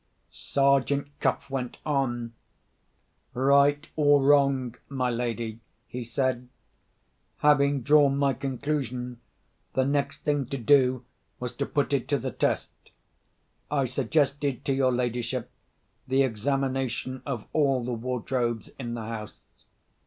Sergeant Cuff went on: "Right or wrong, my lady," he said, "having drawn my conclusion, the next thing to do was to put it to the test. I suggested to your ladyship the examination of all the wardrobes in the house.